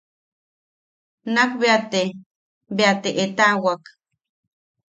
Nak bea te... bea te etaʼawak.